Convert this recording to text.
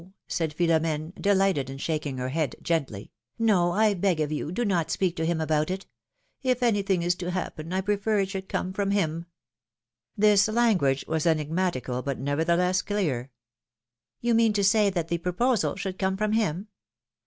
'' said Philom^ne, delighted^ and shaking her head gently; ^^no, I beg of you, do not S2:)eak to him about it; if anything is to happen I prefer it should come from him." This language was enigmatical but nevertheless clear. You mean to say that the proposal should come from him?